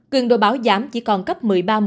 cường độ bão giảm chỉ còn cấp một mươi ba một mươi